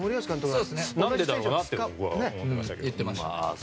何でだろうなって思いましたけどね。